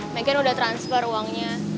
makin udah transfer uangnya